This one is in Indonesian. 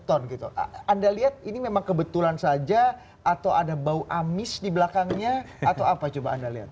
anda lihat ini memang kebetulan saja atau ada bau amis di belakangnya atau apa coba anda lihat